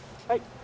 はい。